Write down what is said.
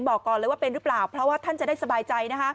บอกก่อนเลยว่าเป็นหรือเปล่าเพราะว่าท่านจะได้สบายใจ